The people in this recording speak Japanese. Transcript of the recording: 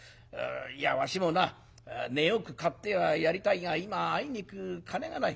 いやわしもな値よく買ってはやりたいが今あいにく金がない。